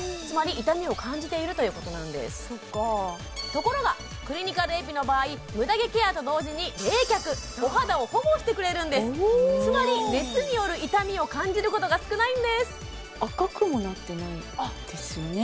ところがクリニカルエピの場合ムダ毛ケアと同時に冷却お肌を保護してくれるんですつまり熱による痛みを感じることが少ないんです赤くもなってないですよね